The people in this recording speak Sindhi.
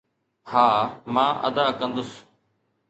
ها، مان ادا ڪندس.